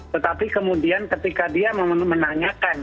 tetapi kemudian ketika dia menanyakan